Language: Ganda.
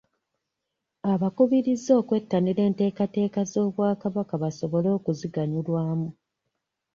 Abakubirizza okwettanira enteekateeka z’Obwakabaka basobole okuziganyulwamu .